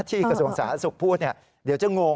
ที่ส่วนสาธารณ์สุขพูดเดี๋ยวจะงง